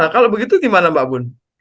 kalau begitu gimana mbak pun